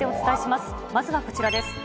まずはこちらです。